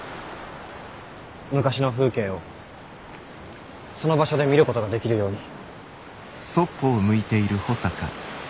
昔の風景をその場所で見ることができるように。